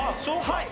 はい。